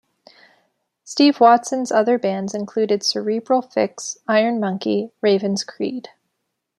Steve Watson's other bands included Cerebral Fix, Iron Monkey, Ravens Creed.